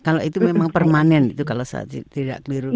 kalau itu memang permanen itu kalau saya tidak keliru